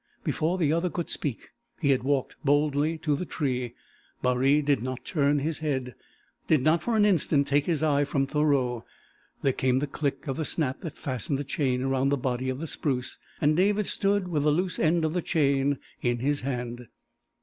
Before the other could speak, he had walked boldly to the tree. Baree did not turn his head did not for an instant take his eye from Thoreau. There came the click of the snap that fastened the chain around the body of the spruce, and David stood with the loose end of the chain in his hand.